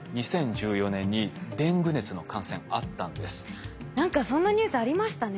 実は何かそんなニュースありましたね。